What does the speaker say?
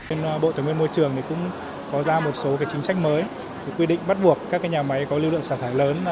trên bộ tổng hợp môi trường cũng có ra một số chính sách mới quy định bắt buộc các nhà máy có lưu lượng sản thải lớn